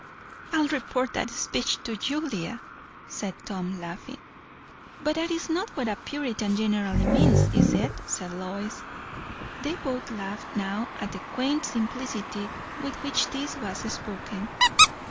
"I'll report that speech to Julia," said Tom, laughing. "But that is not what a 'Puritan' generally means, is it?" said Lois. They both laughed now at the quain't simplicity with which this was spoken.